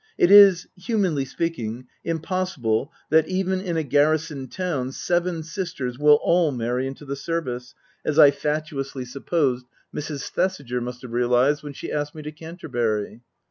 (It is, humanly speaking, impossible that, even in a garrison town, seven sisters will all marry into the Service, as I fatuously supposed Book I : My Book 21 Mrs. Thesiger must have realized when she asked me to Canterbury.)